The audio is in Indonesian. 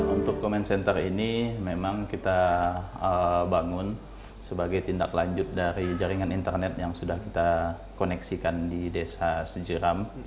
untuk comment center ini memang kita bangun sebagai tindak lanjut dari jaringan internet yang sudah kita koneksikan di desa sejiram